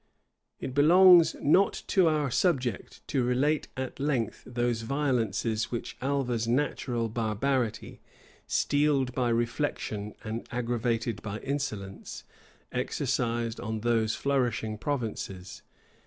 It belongs not to our subject to relate at length those violences which Alva's natural barbarity, steeled by reflection and aggravated by insolence, exercised on those flourishing provinces.